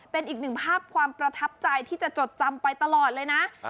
เป็นอีกหนึ่งภาพความประทับใจที่จะจดจำไปตลอดเลยนะ